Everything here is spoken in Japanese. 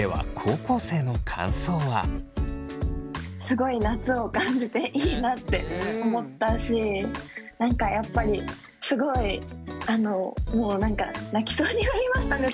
ではすごい夏を感じていいなって思ったし何かやっぱりすごいもう何か泣きそうになりましたね